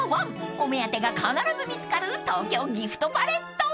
［お目当てが必ず見つかる東京ギフトパレット］